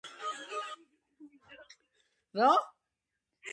მდებარეობს თრიალეთის ქედის ჩრდილოეთ კალთაზე.